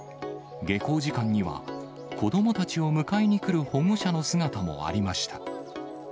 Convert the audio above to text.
下校時間には、子どもたちを迎えに来る保護者の姿もありました。